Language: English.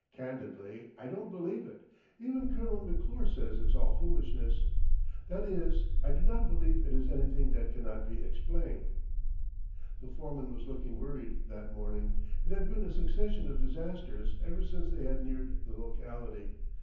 Candidly, I don't believe it. Even Colonel McClure says it's all foolishness. That is, I do not believe it is anything that cannot be explained." The foreman was looking worried that morning. It had been a succession of disasters ever since they had neared the locality.